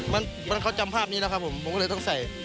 มันเขาจำภาพนี้แล้วครับผมผมก็เลยต้องใส่